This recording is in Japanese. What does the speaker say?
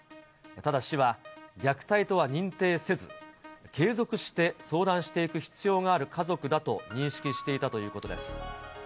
ただ、市は虐待とは認定せず、継続して相談していく必要がある家族だと認識していたということです。